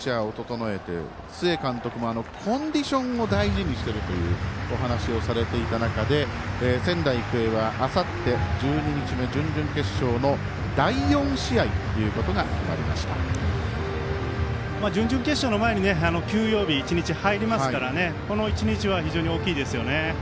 もちろん複数のピッチャーを整えて須江監督もコンディションを大事にしているというお話をしていた中であさって仙台育英は１２日目の準々決勝の第４試合ということが準々決勝の前に休養日が１日入りますからこの１日、非常に大きいですね。